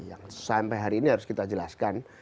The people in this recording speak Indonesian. yang sampai hari ini harus kita jelaskan